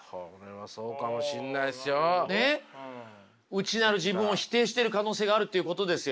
内なる自分を否定してる可能性があるっていうことですよ。